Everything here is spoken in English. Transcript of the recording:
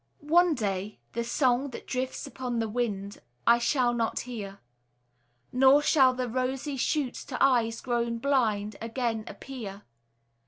One day the song that drifts upon the wind, I shall not hear; Nor shall the rosy shoots to eyes grown blind Again appear.